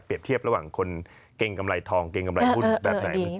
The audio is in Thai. เทียบระหว่างคนเกรงกำไรทองเกรงกำไรหุ้นแบบไหน